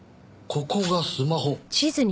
ここがスマホ。